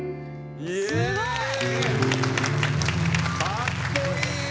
かっこいい！